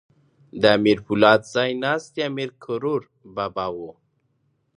د امیر پولاد ځای ناستی امیر کروړ بابا وو.